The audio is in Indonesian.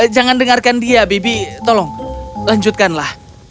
jangan dengarkan dia bibi tolong lanjutkanlah